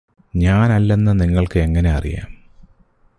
ഞാനല്ലെന്നു നിങ്ങള്ക്ക് എങ്ങനെ അറിയാം